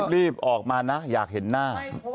รีบออกมานะอยากเห็นหน้า